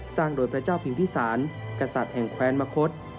สร้างโดยพระเจ้าพิมพิสารกษัตริย์แห่งแขวนมะคด